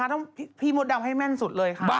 ต้องพี่มดดำให้แม่นสุดเลยค่ะ